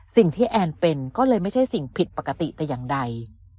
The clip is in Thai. แอนเป็นก็เลยไม่ใช่สิ่งผิดปกติแต่อย่างใด